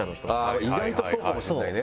ああ意外とそうかもしれないね。